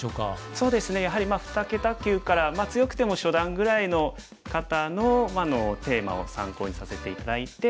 そうですねやはり二桁級から強くても初段ぐらいの方のテーマを参考にさせて頂いて。